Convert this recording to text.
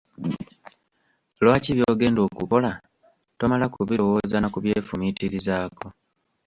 Lwaki by'ogenda okukola, tomala kubirowooza na kubyefumiitirizaako?